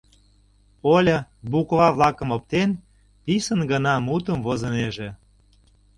— Оля, буква-влакым оптен, писын гына мутым возынеже.